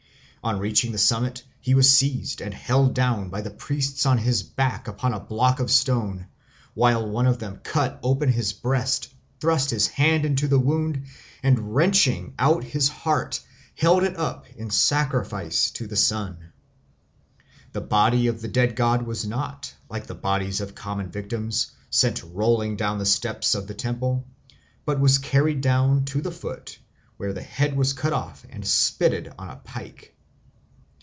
On reaching the summit he was seized and held down by the priests on his back upon a block of stone, while one of them cut open his breast, thrust his hand into the wound, and wrenching out his heart held it up in sacrifice to the sun. The body of the dead god was not, like the bodies of common victims, sent rolling down the steps of the temple, but was carried down to the foot, where the head was cut off and spitted on a pike.